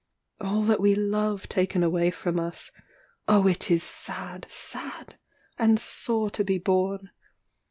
All that we love taken away from us Oh, it is sad, sad! and sore to be borne!